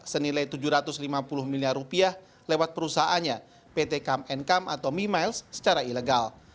senilai tujuh ratus lima puluh miliar rupiah lewat perusahaannya pt kam nkam atau mimiles secara ilegal